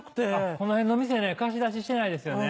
この辺の店ね貸し出ししてないですよね。